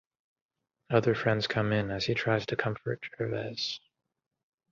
Other friends come in as he tries to comfort Gervaise.